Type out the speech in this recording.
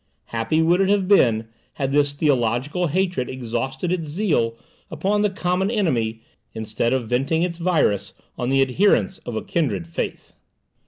Happy would it have been had this theological hatred exhausted its zeal upon the common enemy, instead of venting its virus on the adherents of a kindred faith!